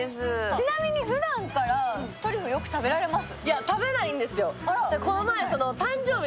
ちなみに、ふだんからトリュフよく食べられます？